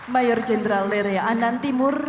mayor jenderal leray anand timur